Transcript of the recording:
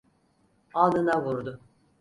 Alnına vurdu.